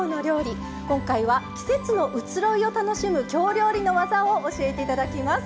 今回は季節の移ろいを楽しむ京料理の技を教えていただきます。